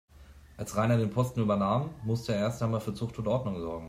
Als Rainer den Posten übernahm, musste er erst einmal für Zucht und Ordnung sorgen.